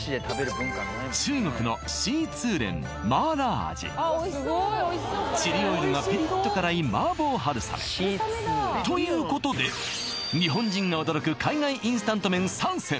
中国のチリオイルがピリッと辛い麻婆春雨ということで日本人が驚く海外インスタント麺３選